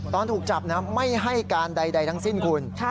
ตอนถูกจับไม่ให้การใดทั้งสิ้นคุณ